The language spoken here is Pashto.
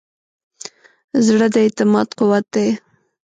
زړه د اعتماد قوت دی.